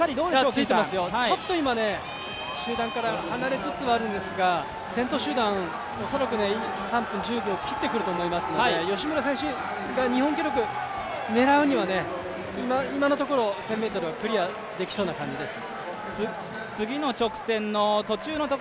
ついてますよ、ちょっと今、集団から離れつつはあるんですが、先頭集団、恐らく３分１０秒切ってくると思いますので吉村選手が日本記録を狙うには、今のところ１０００ｍはクリアできそうな感じです。